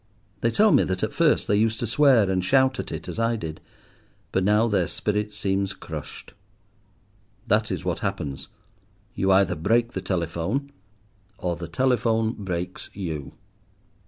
They tell me that at first they used to swear and shout at it as I did; but now their spirit seems crushed. That is what happens: you either break the telephone, or the telephone breaks you.